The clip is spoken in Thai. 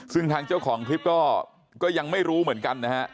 ซึ่งทางเจ้าของคลิปก็ยังไม่รู้เหมือนกันนะฮะ